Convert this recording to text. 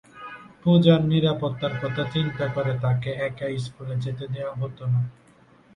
পূজার নিরাপত্তার কথা চিন্তা করে তাকে একা স্কুলে যেতে দেওয়া হতো না।